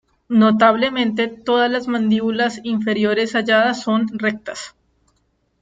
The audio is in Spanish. Notablemente, todas las mandíbulas inferiores halladas son rectas.